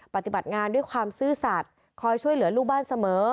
ปฏิบัติงานด้วยความซื่อสัตว์คอยช่วยเหลือลูกบ้านเสมอ